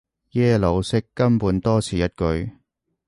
耶魯式根本多此一舉